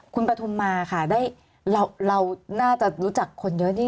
คุณปฐมมาค่ะเราน่าจะรู้จักคนเยอะ